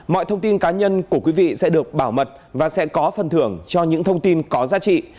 mọi thông tin cá nhân của quý vị sẽ được bảo mật và sẽ có phần thưởng cho những thông tin có giá trị